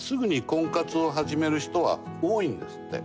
すぐに婚活を始める人は多いんですって。